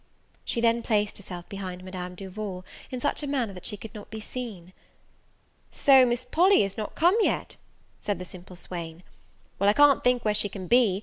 She then placed herself behind Madame Duval, in such a manner that she could not be seen. "So Miss Polly is not come yet!" said the simple swain: "well, I can't think where she can be!